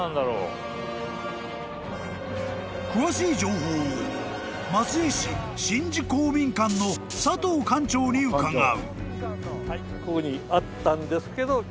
［詳しい情報を松江市宍道公民館の佐藤館長に伺う］